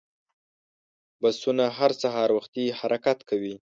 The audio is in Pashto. بسونه هر سهار وختي حرکت کوي.